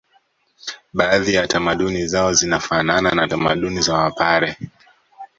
Baadhi ya tamaduni zao zinafanana na tamaduni za wapare